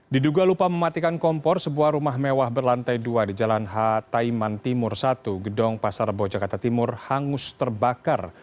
diduga lupa mematikan kompor sebuah rumah mewah berlantai dua di jalan h taiman timur satu gedong pasar bojakarta timur hangus terbakar